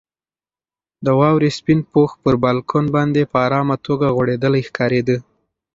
د واورې سپین پوښ پر بالکن باندې په ارامه توګه غوړېدلی ښکارېده.